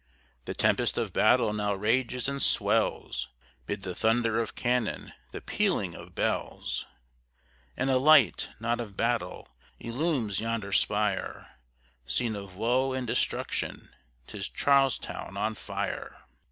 The tempest of battle now rages and swells, 'Mid the thunder of cannon, the pealing of bells; And a light, not of battle, illumes yonder spire Scene of woe and destruction; 'tis Charlestown on fire!